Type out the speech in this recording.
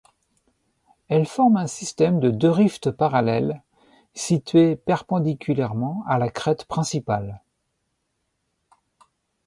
Elle forme un système de deux rifts parallèles, situés perpendiculairement à la crête principale.